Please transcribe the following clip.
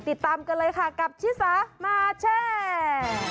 ติดตามกันเลยค่ะกับชิสามาแชร์